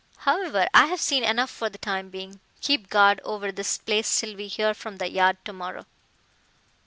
However, I have seen enough for the time being. Keep guard over this place till we hear from the Yard tomorrow."